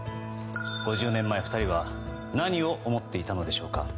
５０年前、２人は何を思っていたのでしょうか。